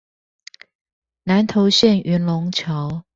南投縣雲龍橋